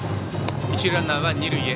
一塁ランナーは二塁へ。